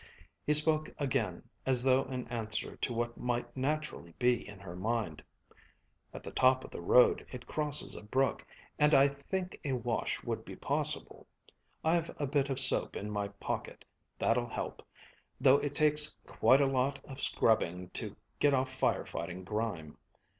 He spoke again, as though in answer to what might naturally be in her mind: "At the top of the road it crosses a brook, and I think a wash would be possible. I've a bit of soap in my pocket that'll help though it takes quite a lot of scrubbing to get off fire fighting grime."